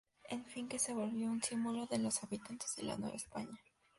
En fin que se volvió un símbolo de los habitantes de la Nueva España.